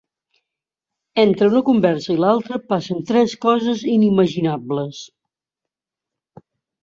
Entre una conversa i l'altra passen tres coses inimaginables.